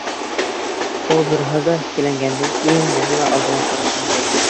ئۇ بىر ھازا ئىككىلەنگەندىن كېيىن يەنىلا ئالدىغا قاراپ ماڭدى.